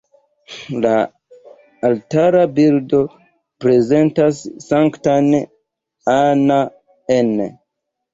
La altara bildo prezentas Sanktan Anna-n.